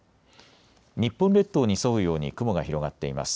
日本列島に沿うように雲が広がっています。